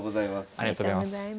ありがとうございます。